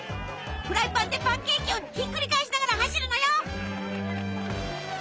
フライパンでパンケーキをひっくり返しながら走るのよ！